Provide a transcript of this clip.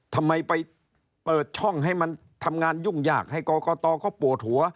ทำไมไปเปิดช่องให้มันทำงานยุ่งยากให้กรกตเขาปวดหัว